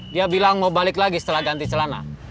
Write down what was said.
dia bilang mau balik lagi setelah ganti celana